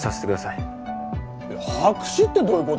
いや白紙ってどういう事！？